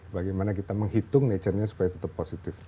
bagaimana kita menghitung nature nya supaya tetap positif